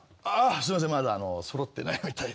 すいませんまだ揃ってないみたいで。